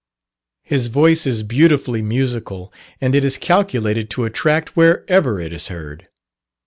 His voice is beautifully musical, and it is calculated to attract wherever it is heard.